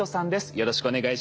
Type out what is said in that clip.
よろしくお願いします。